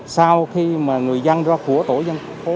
sau khi mà người dân ra khu dân cư để chốt của phường chốt của quận